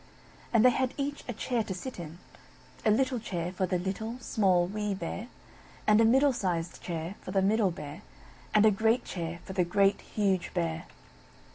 And they had each a chair to sit in; a little chair for the Little, Small, Wee Bear; and a middle sized chair for the Middle Bear; and a great chair for the Great, Huge Bear.